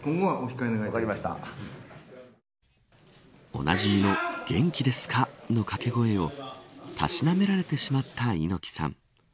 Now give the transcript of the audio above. おなじみの元気ですかの掛け声をたしなめられてしまった猪木さん。